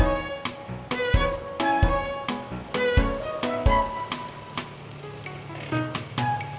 terima kasih sayang